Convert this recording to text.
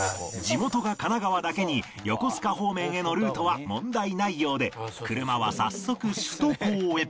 地元が神奈川だけに横須賀方面へのルートは問題ないようで車は早速首都高へ